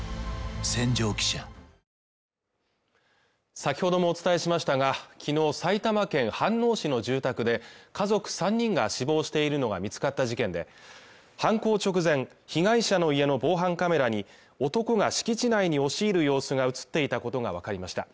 先ほどもお伝えしましたがきのう埼玉県飯能市の住宅で家族３人が死亡しているのが見つかった事件で犯行直前被害者の家の防犯カメラに男が敷地内に押し入る様子が映っていたことが分かりました